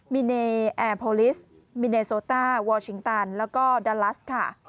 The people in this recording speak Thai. มิเนแอร์โพลิสมิเนโซต้าวอลชิงตันแล้วก็ดาลัสค่ะ